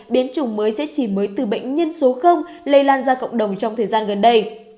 biến chủng mới sẽ chỉ mới từ bệnh nhân số lây lan ra cộng đồng trong thời gian gần đây